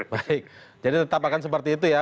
baik jadi tetap akan seperti itu ya